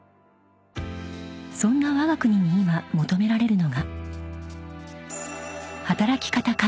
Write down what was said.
［そんなわが国に今求められるのが］